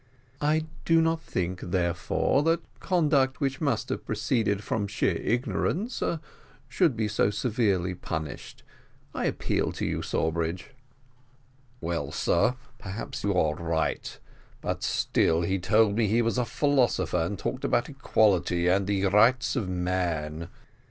"I do not think, therefore, that conduct which must have proceeded from sheer ignorance, should be so severely punished I appeal to you, Sawbridge." "Well, sir, perhaps you are right but still he told me he was a philosopher, and talked about equality and rights of man.